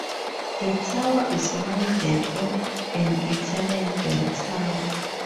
The tower is modeled on an Italian bell tower.